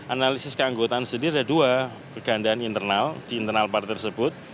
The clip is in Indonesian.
analisis keanggotaan sendiri ada dua kegandaan internal di internal partai tersebut